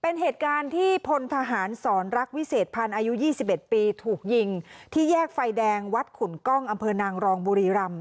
เป็นเหตุการณ์ที่พลทหารสอนรักวิเศษพันธ์อายุ๒๑ปีถูกยิงที่แยกไฟแดงวัดขุนกล้องอำเภอนางรองบุรีรำ